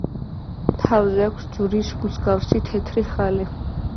თავზე აქვს ჯვრის მსგავსი თეთრი ხალი.